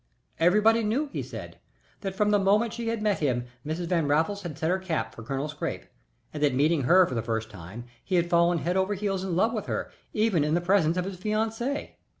Everybody knew, he said, that from the moment she had met him Mrs. Van Raffles had set her cap for Colonel Scrappe, and that meeting her for the first time he had fallen head over heels in love with her even in the presence of his fiancée.